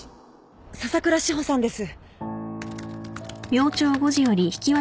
笹倉志帆さんです。